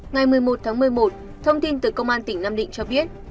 ngày một mươi một tháng một mươi một thông tin từ công an tỉnh nam định cho biết